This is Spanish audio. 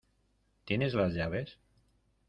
¿Tienes las llaves?